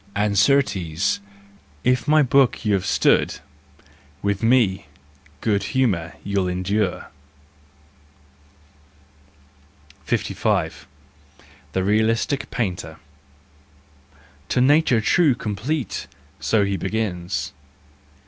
And, certes, if my book you've stood, Me with good humour you'll endure. 55 The Realistic Painter. " To nature true, complete! " so he begins.